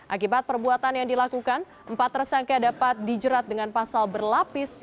akibat perbuatan yang dilakukan empat tersangka dapat dijerat dengan pasal berlapis